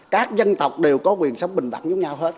các dân tộc đều có quyền sống bình đẳng giống nhau hết